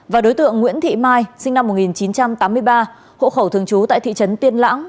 và đối tượng nguyễn thị mai sinh năm một nghìn chín trăm tám mươi ba hộ khẩu thường trú tại thị trấn tiên lãng